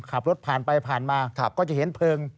ขับรถผ่านไปผ่านมาก็จะเห็นเพลิง